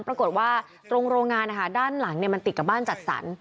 ปรากฏว่าตรงโรงงานนะคะด้านหลังมันติดกับบ้านจัดสรร